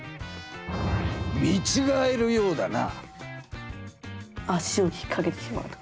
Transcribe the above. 見ちがえるようだな。